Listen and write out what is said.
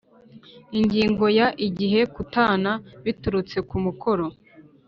Ingingo ya Igihe gutana biturutse ku mukoro